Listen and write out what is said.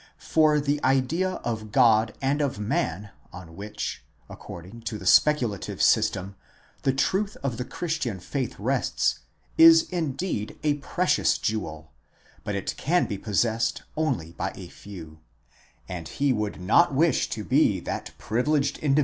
For the idea of God and of man on which, according to the speculative system, the truth of the Christian faith rests, is indeed a precious jewel, but it can be possessed only by a few, and he would not wish to be that privileged indi